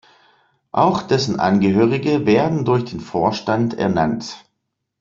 Auch dessen Angehörige werden durch den Vorstand ernannt.